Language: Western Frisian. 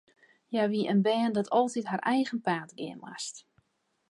Hja wie in bern dat altyd har eigen paad gean moast.